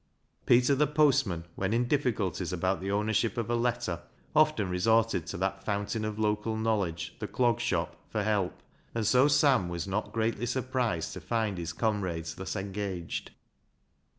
Peter the postman, when in difficulties about the ownership of a letter, often resorted to that fountain of local knowdedge, the Clog Shop, for help, and so Sam was not greatly surprised to find his comrades thus engaged.